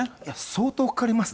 相当かかります。